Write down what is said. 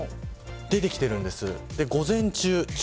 出てきているんです。